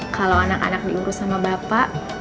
kalau anak anak diurus sama bapak